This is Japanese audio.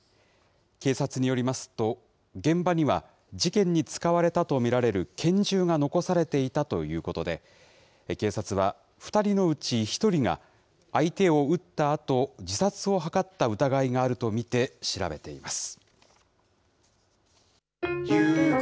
警察によりますと、現場には、事件に使われたと見られる拳銃が残されていたということで、警察は、２人のうち１人が、相手を撃ったあと、自殺を図った疑いがあると見て、調べています。